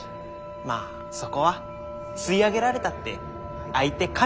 まあそこは吸い上げられたって相手神様だし。